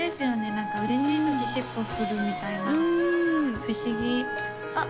何か嬉しい時尻尾振るみたいな不思議あっ